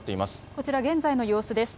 こちら、現在の様子です。